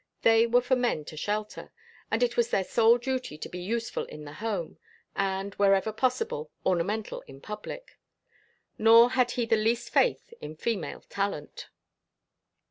They were for men to shelter, and it was their sole duty to be useful in the home, and, wherever possible, ornamental in public. Nor had he the least faith in female talent.